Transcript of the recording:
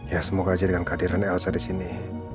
ya semoga aja dengan kehadiran elsa disini